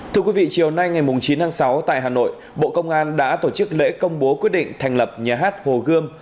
thưa quý vị chiều nay ngày chín tháng sáu tại hà nội bộ công an đã tổ chức lễ công bố quyết định thành lập nhà hát hồ gươm